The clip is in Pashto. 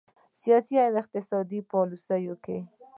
سیاسي او اقتصادي پالیسیو کې